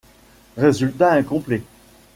Résultats incomplets.